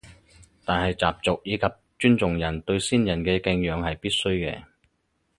但係習俗以及尊重人對先人嘅敬仰係必須嘅